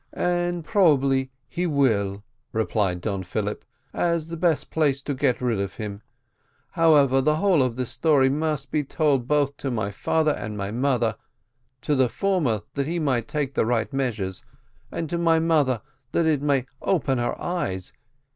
"And probably he will," replied Don Philip, "as the best place to get rid of him. However, the whole of this story must be told both to my father and my mother; to the former that he may take the right measures, and to my mother that it may open her eyes.